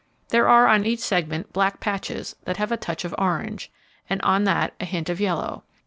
There are on each segment black patches, that have a touch of orange, and on that a hint of yellow.